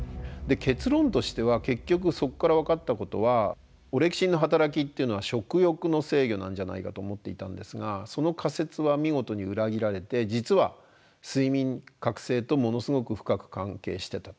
結論としては結局そこから分かったことはオレキシンの働きっていうのは食欲の制御なんじゃないかと思っていたんですがその仮説は見事に裏切られて実は睡眠覚醒とものすごく深く関係してたと。